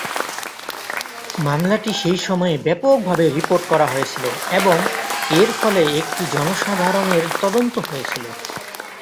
মামলাটি সেই সময়ে ব্যাপকভাবে রিপোর্ট করা হয়েছিল এবং এর ফলে একটি জনসাধারণের তদন্ত হয়েছিল।